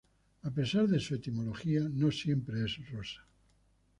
A pesar de su etimología, no siempre es rosa.